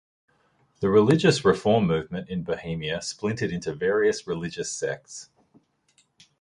The religious reform movement in Bohemia splintered into various religious sects.